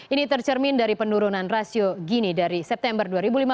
ini tercermin dari penurunan rasio gini dari september dua ribu lima belas